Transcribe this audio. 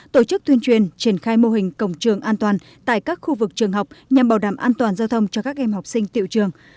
tổ chức tuyên truyền triển khai mô hình cổng trường an toàn tại các khu vực trường học nhằm bảo đảm an toàn giao thông cho các em học sinh tiệu trường